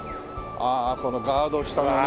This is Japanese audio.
ああこのガード下のね。